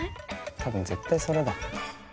多分絶対それだ。